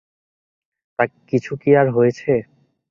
তা কিছু কি আর হয়েছে?